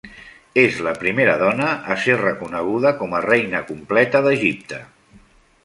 És la primera dona a ser reconeguda com a reina completa d'Egipte.